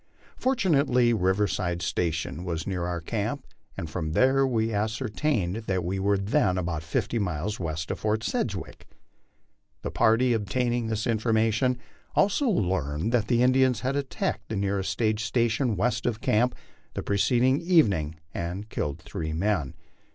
Fortunately Riverside Station was near our camp, and from there we ascertained that we were then about fifty miles west of Fort Sedgwick. The party obtaining this informa tion also learned that the Indians had attacked the nearest stage station west of camp the preceding evening, and killed three men.